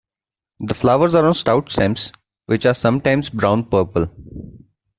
The flowers are on stout stems, which are sometimes brown-purple.